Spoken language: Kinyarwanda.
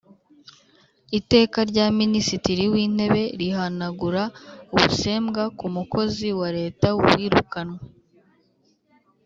Iteka rya Minisitiri w’Intebe rihanagura ubusembwa ku mukozi wa Leta wirukanywe